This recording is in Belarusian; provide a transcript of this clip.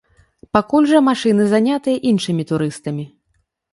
Пакуль жа машыны занятыя іншымі турыстамі.